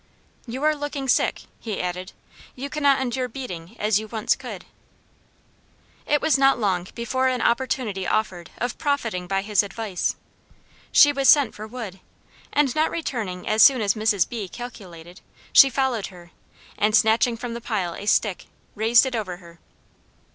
"You are looking sick," he added, "you cannot endure beating as you once could." It was not long before an opportunity offered of profiting by his advice. She was sent for wood, and not returning as soon as Mrs. B. calculated, she followed her, and, snatching from the pile a stick, raised it over her.